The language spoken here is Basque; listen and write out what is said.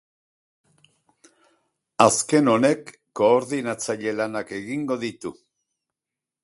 Azken hau koordinatzaile lanak egingo ditu.